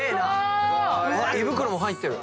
胃袋も入ってる。